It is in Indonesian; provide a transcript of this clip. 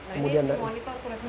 nah ini monitor tulis menerus